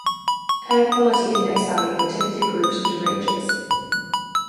Air quality index values are typically grouped into ranges.